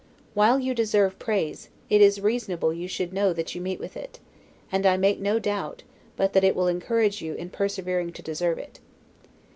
While you deserve praise, it is reasonable you should know that you meet with it; and I make no doubt, but that it will encourage you in persevering to deserve it.